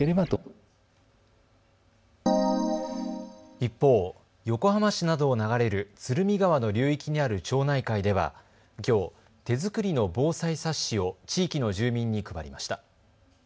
一方、横浜市などを流れる鶴見川の流域にある町内会ではきょう、手作りの防災冊子を地域の住民に配りました。